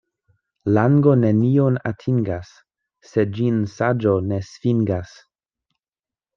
Lango nenion atingas, se ĝin saĝo ne svingas.